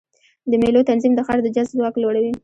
د مېلو تنظیم د ښار د جذب ځواک لوړوي.